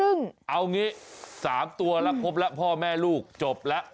เอางี้๓ตัวแล้วครบแล้วพ่อแม่ลูกจบแล้ว